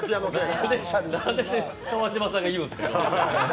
なんで川島さんが言うんすか。